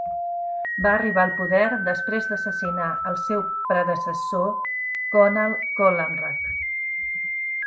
Va arribar al poder després d"assassinar el seu predecessor, Conall Collamrach.